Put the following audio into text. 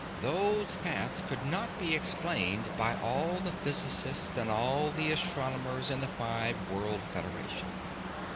Those paths could not be explained by all the physicists and all the astronomers in the Five World Federation.